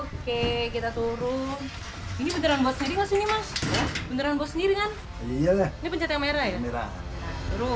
oke kita turun ini beneran buat sendiri maksudnya mas ya beneran buat sendiri kan have the pencet yang merah merah